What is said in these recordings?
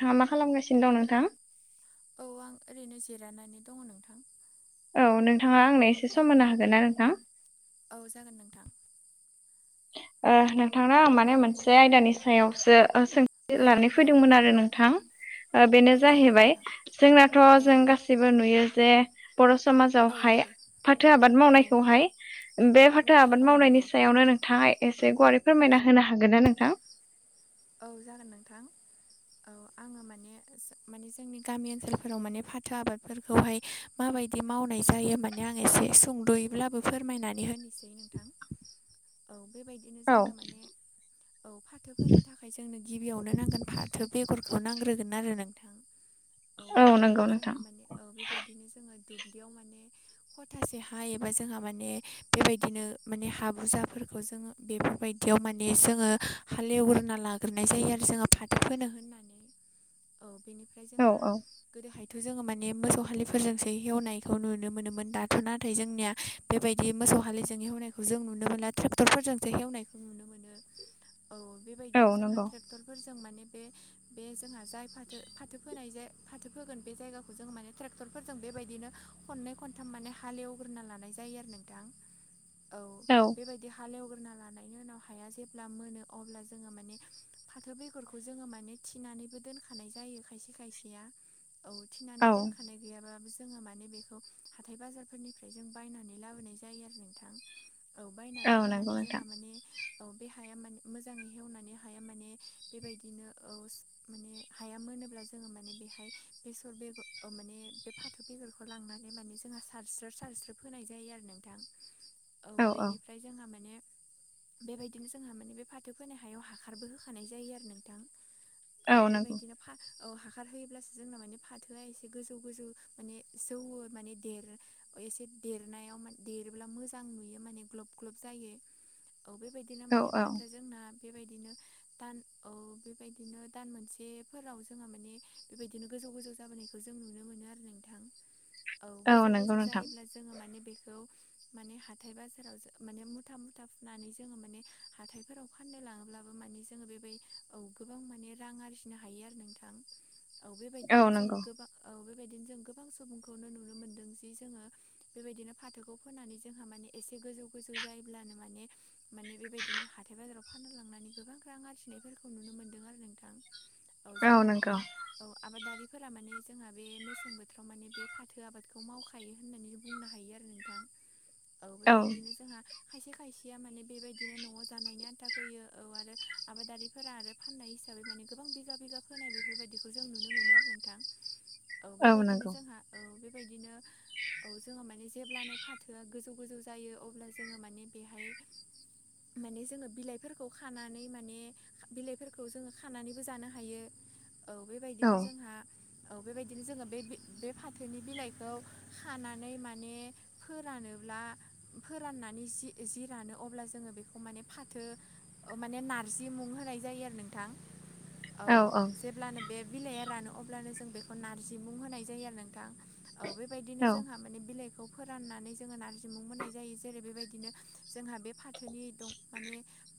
नोंथाङा मा खालामगासिनो दं नोंथां? औ आं ओरैनो जिरायनानै दङ नोंथां। औ नोंथाङा आंनो एसे सम होनो हागोन ना नोंथां? औ जागोन नोंथां। ओ नोंथांनाव औ माने आं मोनसे आयदानि सायावसो ओ सों औ [unintelligible] औ फैदोंमोन आरो नोंथां ओ बेनो औ जागोन जाहैबाय नोंथां जोंनाथ' औ जों गास जेबो नुयो जे बर' औ समाजावहाय नंगौ फाथो आबाद औ मावनायखौहाय बे फाथो आबाद औ मावनायनि नंगौ सायावनो नोंथाङा एसे गुवारै औ फोरमायना होनो हागोन ना नोंथां? औ जागोन नोंथां औ आङो माने माने जोंनि गामि ओनसोलफोराव माने फाथो आबादफोरखौहाय माबायदि मावनाय जायोमोन। माने आं एसे संद'योब्लाबो फोरमायनानै होनोसै नोंथां। औ बेबायदिनो औ जोंना माने औ फाथो फोनो थाखाय जोंनो गिबियावनो नांगोन फाथो बेगरखौ नांग्रोगोन आरो नोंथां। [inaudible] औ बेबायदिनो नंगौ नोंथां जोंहा माने औ बेबायदिनो जोङो दुब्लियाव माने खथासे हा एबा जोंहा माने बेबायदिनो माने हाबुजाब फोरखौ जोङो बेफोरबायदियाव माने जोङो हाल एवग्रोनाय लानाय जायो जोङो फाथो फोनो होन होननानै औ बेनिफ्राय औ जोंहा औ गोदोहायथ' जोङो माने मोसौ हालिफोरजोंसो हेवनायखौ नुनो मोनोमोन दाथ' नाथाय जोंनिया बेबायदि मोसौ हालिजों एवनायखौ जों नुनो मोनला ट्रेक्टरफोरजोंसो नुनो मोनो औ औ बेबायदिनो जों नंगौ ट्रेक्टरफोर जों माने बे बे जोंहा जाय फाथो फाथो फोनाय जाय फाथो फोगोन बे जायगाखौ जों माने ट्रेक्टरफोरजों बेबायदिनो खननै खनथाम माने हालेवग्रोना लानाय जायो आरो नोंथां औ। औ। बे हालेवग्रोना लानायनि उनाव हाया जेब्ला मोनो अब्ला जोङो माने फाथो बेगरखौ जोङो माने थिनानैबो दोनखानाय जायो खायसे खायसेया औ औ थिनानै दोनखानाय। गैयाबाबो जोङो माने बेखौ हाथाय बाजारफोरनिफ्राय जों बायनानै लाबोनाय जायो आरो नोंथां। औ बायना औ नंगौ लाबोनानै नोंथां जोंहा माने औ बे हाया माने मोजाङै हेवनानै हाया माने बेबायदिनो औज माने हाया मोनोब्ला जोङो माने बेहाय बेसर बेगर ओ माने बे फाथो बेगरखौ लांनानै माने जोंहा सारस्रो सारस्रो फोनाय जायो आरो नोंथां। [inaudible] औ औ बेनिफ्राय जोंहा माने बेबायदिनो जोंहा माने बे फाथो फोनाय हायाव हासारबो होखानाय जायो आरो नोंथां। औ बेबायदिनो फा औ हाखार होयोब्लासो जोंना माने फाथोआ एसे गोजौ गोजौ माने जौवो माने देरो। एसे देरनायाव देरोब्ला मोजां नुयो माने ग्लब ग्लब जायो औ बेबायदिनो औ माने औ फाथोआ जोंना बेबायदिनो दान औ बेबायदिनो दान मोनसेफोराव जोंहा माने बेबायदिनो गोजौ गोजौ जाबोनायखौ जों नुनो मोनो आरो नोंथां। औ गोजौ नंगौ गोजौ नोंथां जायोब्ला जोङो माने बेखौ माने हाथाय बाजाराव माने मुथा मुथा फुनानै जोङो माने हाथायफोराव फाननो लाङोब्लाबो माने जोङो बे बाय औ गोबां माने रां आरजिनो हायो आरो नोंथां औ औ बेबायदिनो जोङो नंगौ गोबां औ बेबायदिनो जों गोबां सुबुंखौनो नुनो मोन्दों जि जोङो बेबायदिनो फाथोखौ फोनानै जोंहा माने एसे गोजौ गोजौ जायोब्लानो माने माने बेबायदिनो हाथाय बाजाराव फाननो लांनानै गोबां रां आरजिनायफोरखौ नुनो मोन्दों आरो नोंथां। [inaudible] औ जोंना नंगौ माने औ आबादारिफोरा माने जोंहा बे मेसें बोथोराव माने बे फाथो आबादखौ मावखायो होननानै बुंनो हायो आरो नोंथां। औ बेबायदिनो जोंहा खायसे खायसेया माने बेबायदिनो न'आव जानायनि आन्था फैयो औ आरो आबादारिफोरा आरो फाननाय हिसाबै माने गोबां बिगा बिगा फोनाय बेफोरबायदिखौ जों नुनो मोनो आरो नोंथां। औ बेबायदिनो जोंहा औ बेबायदिनो औ जोङो जेब्लानो फाथोआ गोजौ गोजौ जायो अब्ला जों जोङो माने बेहाय माने जोङो बिलाइफोरखौ खानानै माने बिलाइफोरखौ जोङो खानानैबो जानो हायो औ औ बेबायदिनो जोंहा औ बेबायदिनो जोङो बे बे फाथोनि बिलाइखौ खानानै माने फोरानोब्ला फोराननानै जि जिरानो अब्ला जोङो बेखौ माने फाथो माने नार्जि मुं होनाय जायो आरो नोंथां। औ जेब्लानो बे बिलाइया रानो अब्लानो जों बेखौ नारजि मुं होनाय जायो आरो नोंथां। औ बेबायदिनो औ जोंहा माने बिलाइखौ फोराननानै जोङो नारजिमुं मोनाय जायो। जेरै बेबायदिनो जोंहा बे फाथोनि दं माने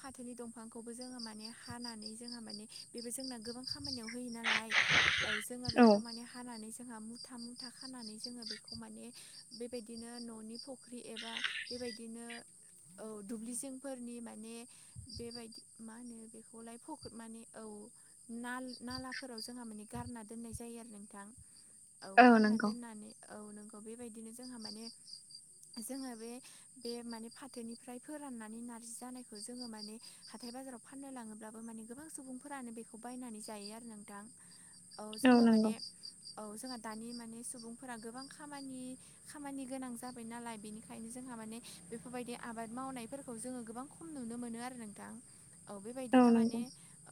फाथोनि दंफांखौबो जोङो माने हानानै जोंहा माने बेबो जोंना गोबां खामानियाव होयो नालाय। औ जोङो औ बेखौ माने हानानै जोंहा मु था मुथा खानानै जोङो बेखौ माने बेबायदिनो न'नि फुख्रि एबा बेबायदिनो औ दुब्लि जिंफोरनि माने बेबायदि मा होनो बेखौलाय फक माने औ नाल-नालाफोराव जोंहा माने गारना दोननाय जायो आरो नोंथां। औ गारना दोननानै औ नोंगौ बेबायदिनो जोंहा माने जोंङो बे बे माने फाथोनिफ्राय फोराननानै नारजि जानायखौ जोङो माने हाथाय बाजाराव फाननो लाङोब्लाबो माने गोबां सुबुंफोरानो बेखौ बायनानै जायो आरो नोंथां। [inaudible] औ जोंना नंगौ माने औ जोंहा दानि माने सुबुंफोरा गोबां खामानि खामानि गोनां जाबाय नालाय बेनिखायनो जोंहा माने बेफोरबायदि आबाद मावनायफोरखौ जोङो गोबां खम नुनो मोनो आरो नोंथां। औ बेबायदिनो माने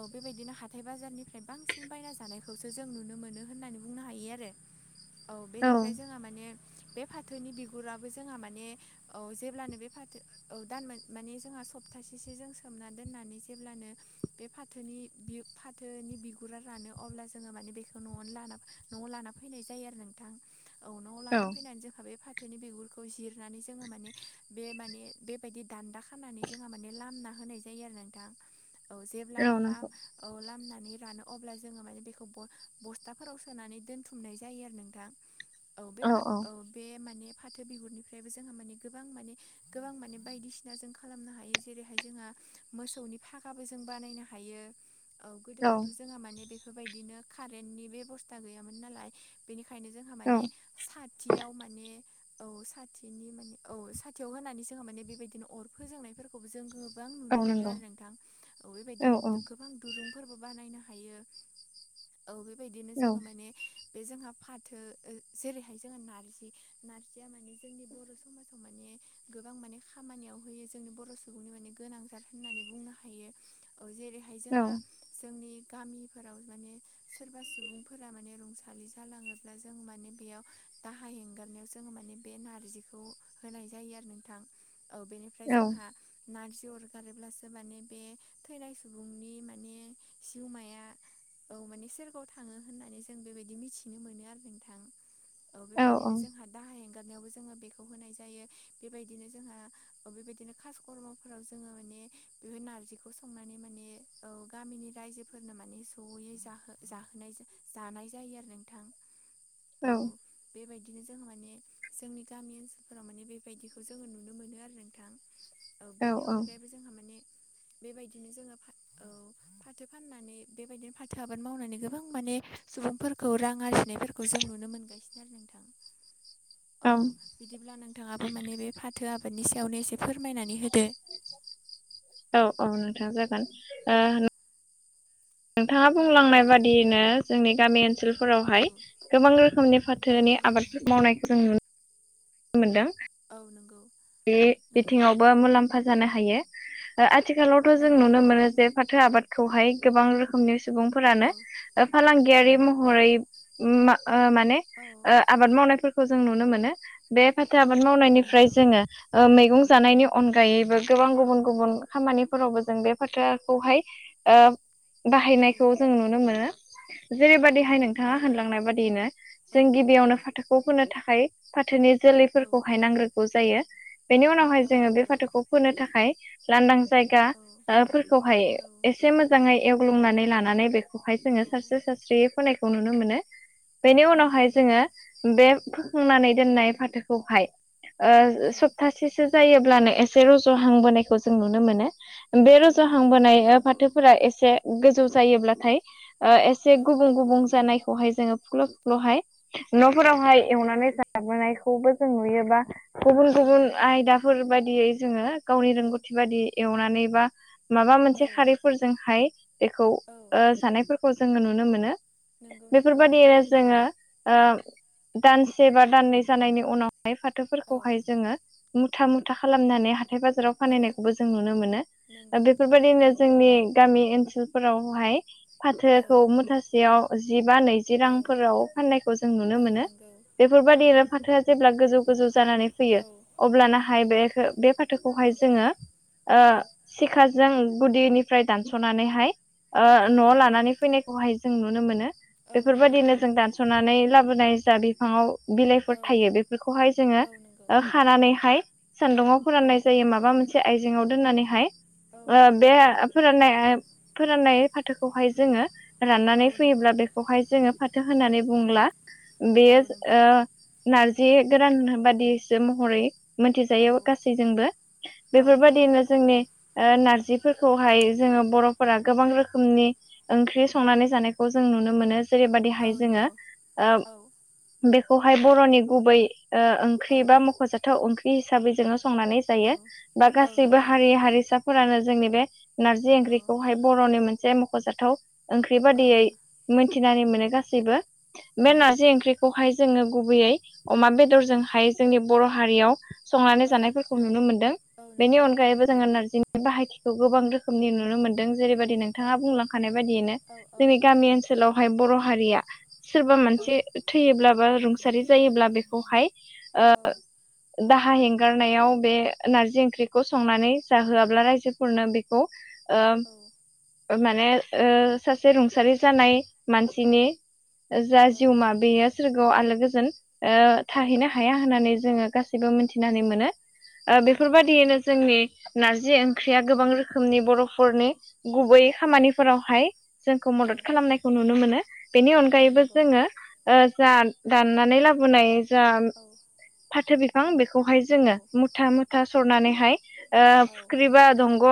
औ बेबायदिनो हाथाय बाजारनिफ्राय बांसिन बायना जानायखौसो जों नुनो मोनो होननानै बुंनो हायो आरो। [inaudible] औ बेनिफ्राय जोंहा माने बे फाथोनि बिगुराबो जोंहा माने औ जेब्लानो बे फाथो औ दानमोन माने जोंहा सप्तासेसो जों सोमना दोननानै जेब्लानो बे फाथोनि फाथोनि बिगुरा रानो अब्ला जोङो माने बेखौ न'आवनो लाना न'आव लाना फैनाय जायो आरो नोंथां औ न'आव लाना फैनानै जोंहा बे फाथोनि बिगुरखौ जिरनानै जोङो माने बे माने बेबायदि दान्दा खानानै जोंहा माने लामना होनाय जायो आरो नोंथां। औ औ जेब्लानो लाम नंगौ औ लामनानै रानो अब्ला जोङो माने बेखौ बस्थाफोराव सोनानै दोनथुमनाय जायो आरो नोंथां [inaudible] औ बे औ बे माने फाथो बिगुरनिफ्राय जोंहा माने गोबां माने गोबां माने बायदिसिना जों खालामनो हायो जेरैहाय जोंहा मोसौनि फागाबो जों बानायनो हायो। औ गोदोहायथ' जोंहा माने बेफोरबायदिनो कारेन्टनि बेब'स्था गैयामोन नालाय बेनिखायनो जों जोंहा औ माने साथियाव माने औ साथि साथिनि माने औ साथियाव होनानै जोङो माने बेबायदिनो अर फोजोंनायफोरखौबो जोङो गोबां नुनो औ मोनो नंगौ औ आरो नोंथां औ बेबायदिनो औ औ गोबां दुरुंफोरबो बानायनो हायो औ बेबायदिनो जोङो माने बे जोंहा फाथो जेरैहाय जोङो नारजि नारजिया माने जोंनि बर' समाजाव माने गोबां माने खामानियाव होयो जोंनो बर' सुबुंनि माने गोनां थार होननानै बुंनो हायो। औ जेरैहाय जोंहा जोंनि गामिफोराव माने सोरबा सुबुंफोरा माने रुंसालि जालाङोब्ला जों माने बेयाव दाहा हेंगारनायाव जोङो माने बे नारजिखौ होनाय जायो आरो नोंथां औ बेनिफ्राय जोंहा नारजि अरगारोब्लासो माने बे थैनाय सुबुंनि माने जिउमाया औ माने सोरगोवआव थाङो होननानै जों बेबायदि मिथिनो मोनो आरो नोंथां। औ बेबायदिनो जोंहा दाहा ऐंगारनायावबो जोङो बेखौ होनाय जायो बेबायदिनो जोंहा ओ बेबायदिनो खासकर्मफोराव जोङो माने बेफोर नारजिखौ संनानै माने औ गामिनि रायजोफोरनो माने जयै जाहो जाहोनाय जानाय जायो आरो नोंथां। [unintelligible] औ बेबायदिनो जों माने जोंनि गामि ओनसोलफोराव माने बेबायदिखौ जोङो नुनो आरो नोंथां। औ बेनि अनगायैबो जोंहा माने बेबायदिनो जोङो औ। औ फाथो फाननानै बेबायदिनो फाथो आबाद मावनानै गोबां माने सुबुंफोरखौ रां आरजि नायफोरखौ जों नुनो मोनगासिनो आरो नोंथां। औ बिदिब्ला नोंथाङाबो माने बे फाथो आबादनि सायावनो एसे फोरमायनानै होदो। औ - औ नोंथां जागोन ओ नोंथाङा बुंलांनाय औ बादियैनो जोंनि गामि ओनसोल फोरावहाय औ गोबां रोखोमनि औ फाथोनि नंगौ आबादफोर मावनायखौ जों नुनोनो मोनदों। औ नंगौ। बे नंगौ बिथिङावबो मुलाम्फा जानो हायो। ओ आथिखालावथ' औ जों नुनो नंगौ मोनो जे फाथो आबादखौहाय गोबां रोखोमनि सुबुं औ फोरानो ओ फालांगियारि महरै औ ओम माने औ। आबाद मावनायफोरखौ जों नुनो मोनो बे फाथो आबाद मावनायनिफ्राय नंगौ जोङो ओ मैगं जानायनि औ अनगायैबो गोबां गुबुन - गुबुन खामानिफोरावबो जों बे फोथारखौहाय ओ औ बाहायनायखौ जों नुनो मोनो जेनेबा देहाय नों औ नोंथाङा होनलांनाय बादियैनो जों गिबियावनो फाथोखौ फोनो थाखाय फाथोनि औ जोलैफोरखौहाय नांग्रोगौ जायो। बेनि उनावहाय जोङो बे नंगौ फाथोखौ फोनो थाखाय लांदां जायगा औ फोरखौहाय औ एसे मोजाङै एगव्लुंनानै लानानै बे ओमफाय औ जोङो सारस्रि सारस्रियै फोनायखौ नुनो मोनो बेनि नंगौ उनावहाय जोङो नोंथां बे फोखांनानै दोननाय फाथोखौहाय औ ओ सासेसो जायोब्लानो एसे रज'हांबोनायखौ जों नुनो मोनो। बे औ नंगौ रजुहांबोनाय फाथोफोरा एसे गोजौ जायोब्लाथाय‌ ओ एस एसे औ गुबुं - गुबुं जानायखौहाय जोङो फुख्ल' फुख्ल'हाय न'फोरावहाय औ एवनानै जा जाबोनायखौबो जों नुयोबा गुबुन - औ गुबुन नंगौ आयदाफोर बायदियै जोङो गावनि औ रोंगौथि बादि एवनानै बा माबा औ मोनसे खारिफोरजोंहाय बेखौ औ। सानायफोरखौ जोङो नुनो मोनो नंगौ नोंथां नंगौ बेफोरबायाददिनो जोङो ओ दानसे बा दाननै जानायनि उनावहाय फाथोफोरखौहाय औ जोङो मुथा - मुथा खालामनानै हाथाय बाजाराव औ फानहैनायखौबो जों नुनो मोनो नंगौ नोंथां बेफोरबायदिनो नंगौ जोंनि गामि ओनसोलफोरावहाय औ फाथोखौ मुथासेयाव जिबा नैजि जि औ रांफोराव फाननायखौ जों नुनो औ मोनो नंगौ बेफोरबायदिनो फाथोआ जेब्ला गोजौ - गोजौ जानानै फैयो औ अब्लानाहाय बे बे फाथोखौहाय औ जोङो ओ औ सिखाजों गुदिनिफ्राय दानस'नानैहाय ओ औ न'आव नंगौ लानानै फैनाय बेहाय जों नुनो मोनो औ नंगौ बेफोरबायदिनो जों दानस'नानै लाबोनाय जा बिफाङाव बिलाइफोर औ थायो बेफोरखौहाय जोंङौ औ नंगौ खानानैहाय सान्दुं आव औ फोराननाय जायो माबा मोनसे आइजेंआव दोननानैहाय औ ओ बे नंगौ नंगौ फोराननाय फोराननाय फाथोखौहाय जोंङो औ राननानै नंगौ फैयोब्ला बेखौहाय जोङो फाथो होननानै बुंला औ बेयो नंगौ ओ नारजि गोरान बादिसो महरै औ मोनथिजायो गासैजोंबो औ नंगौ बेफोरबायादिनो नोंथां जोंनि ओ नारजि फोरखौहाय जोङो बर'फोरा गोबां रोखोमनि ओंख्रि संनानै जानायखौ जों नुनो मोनो औ जेरैबादिहाय जोङो नंगौ ओ औ बेखौहाय बर'नि गुबै ओ ओंख्रि औ बा मख'जाथाव ओंख्रि हिसाबै जोङो संनानै औ जायो बा औ गासैबो नंगौ हारि हारिसाफोरानो जोंनि बे नारजि औ ओंख्रिखौहाय बर'नि मोनसे मख'जाथाव ओंख्रि औ बादियै मोनथिनानै मोनो गासैबो बे नंगौ नारजि नोंथां ओंख्रिखौहाय जोङो गुबैयै अमा औ बेदरजोंहाय जोंनि बर' हारियाव संनानै औ जानायफोरखौ नुनो मोनदों औ नंगौ बेनि नोंथां अनगायैबो नंगौ जोङो नारजिनि बाहायथिखौ गोबां रोखोमनि नुनो मोनदों जेरैबायदि औ नोंथाङा बुंलांखानाय बायदियैनो औ औ जोंनि गामि ओनसोलावहाय बर' हारिया सोरबा मानसि थैयोब्ला बा रुंसारि जायोब्ला बेखौहाय ओ औ दाहा हेंगारनायाव बे नारजि ओंख्रिखौ संनानै जाहोआब्ला रायजोफोरनो बे बेखौ‌ ओ ओ माने ओ सासे रुंसारि जानाय मानसिनि जा औ जिउमा बेयो सोरगोआव आलो गोजोन ओ औ औ थाहैनो हाया होननानै जोङो गासैबो मोनथिनानै औ मोनो ओ औ नंगौ बेफोरबायदियैनो जोंनि नारजि ओंख्रिया गोबां रोखोमनि बर'फोरनि गुबै औ खामानिफोरावहाय जोंखौ औ मदद खालामनायखौ नुनो मोनो बेनि औ अनगायैबो नंगौ जोङो। ओ जा दाननानै लाबोनाय जा औ फाथो बिफां बेखौहाय जोङो मुथा मुथा सरनानैहाय ओ औ फुख्रि बा दंग'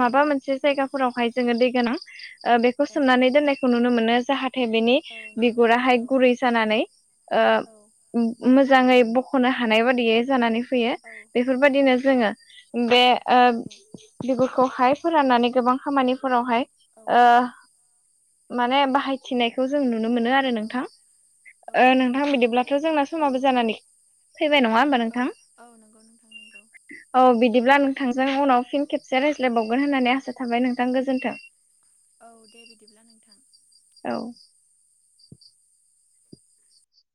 माबा मोनसे औ जायगाफोरावहाय जोङो दै गोनां ओ बे खौ औ सोमनानै दोननायखौ नुनो मोनो जाहाथे नाथाय बिनि नंगौ औ बिगुराहाय गुरै जानानै औ नंगौ औ ओ मोजाङै बु बखनो हानाय बादियै जानानै फैयो औ औ बेफोरबायदिनो नंगौ जोङो। बे ओ बिगुरखौहाय फोराननानै गोबां खामानिफोरावहाय ओ माने बाहायथिनायखौ जों नुनो मोनो आरो नोंथां ओ नोंथां बिदिब्लाथ' जोंना औ समाबो जानानै फैबाय नङा होमबा औ नोंथां औ नंगौ नोंथां। नंगौ औ बिदिब्ला नोंथांजों उनाव फिन खेबसे रायज्लायबावगोन होननानै आसा थाबाय नोंथां गोजोन्थों। औ दे बिदिब्ला नोंथां। औ